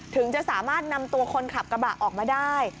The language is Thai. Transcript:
ถึงจะสามารถนำตัวคนขับกระบะออกมาได้